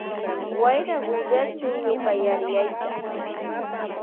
Wayra willachun ñuka yariyayta.